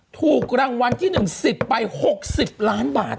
ถูกรางวัลที่๑๑๐ไป๖๐ล้านบาท